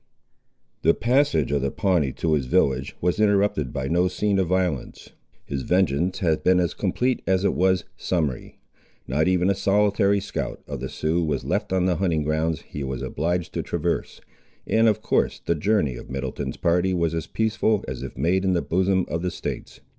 The passage of the Pawnee to his village was interrupted by no scene of violence. His vengeance had been as complete as it was summary. Not even a solitary scout of the Siouxes was left on the hunting grounds he was obliged to traverse, and of course the journey of Middleton's party was as peaceful as if made in the bosom of the States.